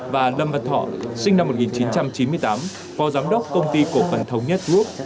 và lâm văn thọ sinh năm một nghìn chín trăm chín mươi tám phó giám đốc công ty cổ phần thống nhất group